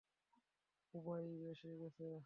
উবাই এসে গেছে।